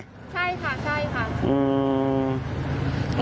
ใช่ค่ะใช่ค่ะ